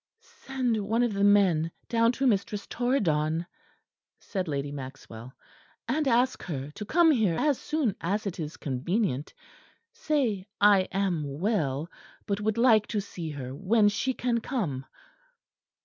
"Send one of the men down to Mistress Torridon," said Lady Maxwell, "and ask her to come here as soon as it is convenient. Say I am well; but would like to see her when she can come."